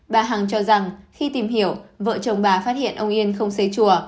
bà hằng cho rằng khi tìm hiểu vợ chồng bà phát hiện ông yên không xây chùa